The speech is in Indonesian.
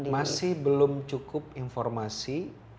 masih belum cukup informasi